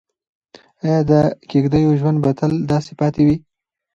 ایا د کيږديو ژوند به تل داسې پاتې وي؟